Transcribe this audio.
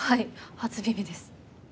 初耳です。